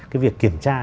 cái việc kiểm tra